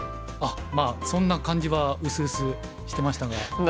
あっまあそんな感じはうすうすしてましたが。